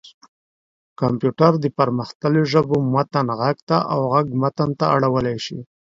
کمپيوټر د پرمختلليو ژبو متن غږ ته او غږ متن ته اړولی شي.